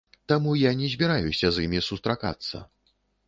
Таму я не збіраюся з імі сустракацца!